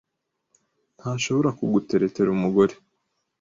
ntashobora kuguteretera umugore,